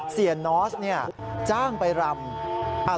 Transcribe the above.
เซียนนอสเนี่ยจ้างไปรำ